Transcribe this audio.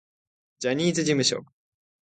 ジャニーズ事務所